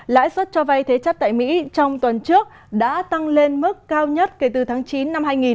lãi suất cho vay thế chấp tại mỹ trong tuần trước đã tăng lên mức cao nhất kể từ tháng chín năm hai nghìn